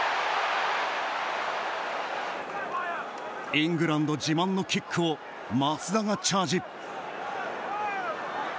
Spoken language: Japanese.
イングランド自慢のキックを松田がチャージ。